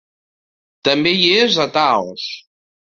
També hi és a Taos.